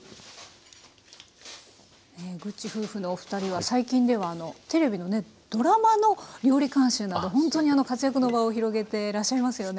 ぐっち夫婦のお二人は最近ではテレビのねドラマの料理監修などほんとに活躍の場を広げてらっしゃいますよね。